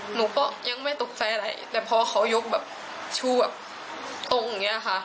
หนูก็ยังไม่ตกใจอะไรแต่พอเขายกแบบชูแบบตรงอย่างเงี้ยค่ะ